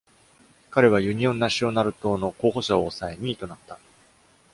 彼はユニオン・ナシオナル党の候補者を抑え、二位となった。